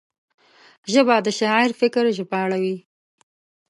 ژبه د شاعر فکر ژباړوي